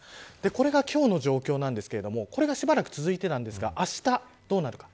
これが今日の状況ですがこれが、しばらく続いていましたが、あしたどうなるか。